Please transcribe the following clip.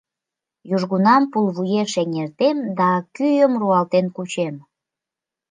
Южгунам пулвуеш эҥертем да кӱым руалтен кучем.